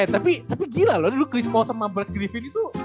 eh tapi tapi gila loh dulu chris paul sama brad griffin itu